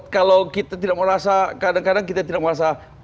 kalau kita tidak merasa kadang kadang kita tidak merasa